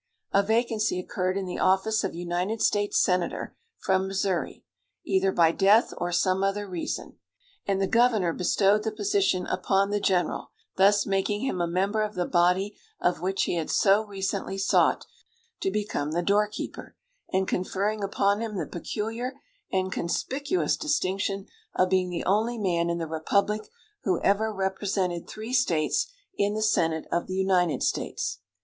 A vacancy occurred in the office of United States senator from Missouri, either by death or some other reason, and the governor bestowed the position upon the general, thus making him a member of the body of which he had so recently sought to become the doorkeeper, and conferring upon him the peculiar and conspicuous distinction of being the only man in the republic who ever represented three states in the senate of the United States.